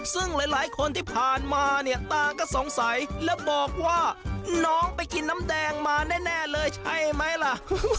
ซึ่งหลายคนที่ผ่านมาเนี่ยต่างก็สงสัยแล้วบอกว่าน้องไปกินน้ำแดงมาแน่เลยใช่ไหมล่ะ